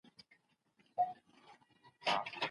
ځيني ليکوالان له ټولني څخه ګوښه ژوند کوي.